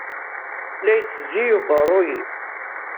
La ittezzi uqerruy-iw.